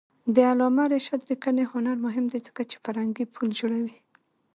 د علامه رشاد لیکنی هنر مهم دی ځکه چې فرهنګي پل جوړوي.